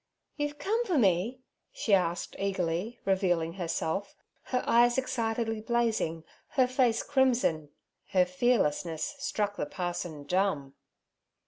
'You've come for me?' she asked eagerly, revealing herself, her eyes excitedly blazing, her face crimson. Her fearlessness struck the parson dumb.